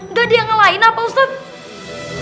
nggak dia ngelain apa ustadz